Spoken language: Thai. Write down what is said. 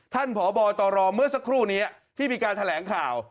พบตรเมื่อสักครู่นี้ที่มีการแถลงข่าว